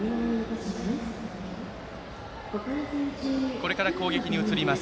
これから攻撃に移ります